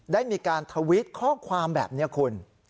ได้มีการทวิตข้อความแบบนี้คุณ